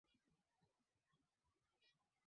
Amekula wali kwa nyama.